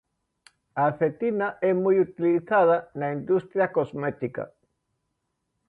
A cetina é moi utilizada na industria cosmética.